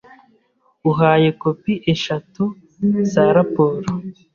Uhaye kopi eshatu za raporo.